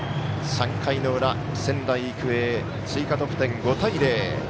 ３回の裏、仙台育英追加得点、５対０。